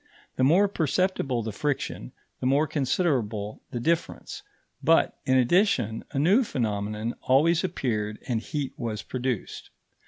The more perceptible the friction, the more considerable the difference; but, in addition, a new phenomenon always appeared and heat was produced.